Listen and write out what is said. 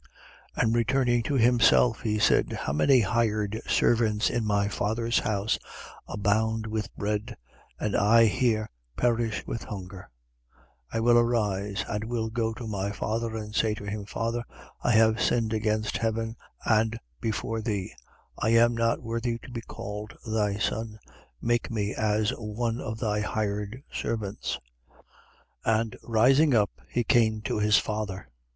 15:17. And returning to himself, he said: How many hired servants in my father's house abound with bread, and I here perish with hunger! 15:18. I will arise and will go to my father and say to him: Father, I have sinned against heaven and before thee. 15:19. I am not worthy to be called thy son: make me as one of thy hired servants. 15:20. And rising up, he came to his father.